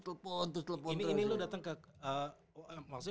telepon terus telepon terus ini lo datang ke